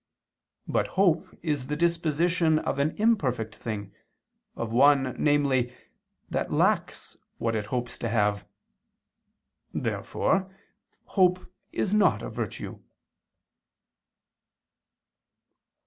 But hope is the disposition of an imperfect thing, of one, namely, that lacks what it hopes to have. Therefore hope is not a virtue.